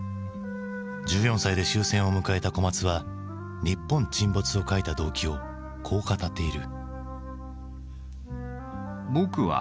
１４歳で終戦を迎えた小松は「日本沈没」を書いた動機をこう語っている。